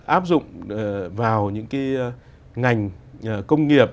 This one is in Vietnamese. áp dụng vào những cái ngành công nghiệp